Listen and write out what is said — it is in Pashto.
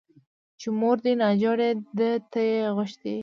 چې مور دې ناجوړه ده ته يې غوښتى يې.